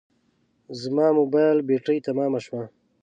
زما موبایل بټري تمامه شوه